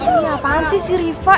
ini apaan sih si riva